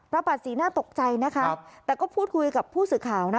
ปัดสีน่าตกใจนะคะแต่ก็พูดคุยกับผู้สื่อข่าวนะ